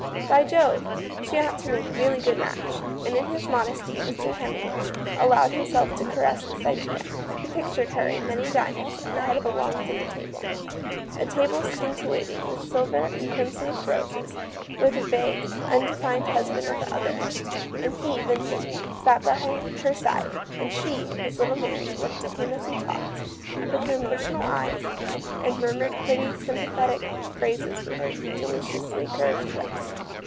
By Jove ! she ought to make a really good match." And in his modesty Mr. Hemming allowed himself to caress this idea. He pictured her, in many diamonds, at the head of a long dinner table — a table scintillating with silver and crimson with roses, with a vague, undefined husband at the other end. And he, Vincent, sat by her side, and she — his little Mary — looked at him, as he talked, with her emotional eyes, and murmured pretty sympathetic phrases with her deliciously curved lips.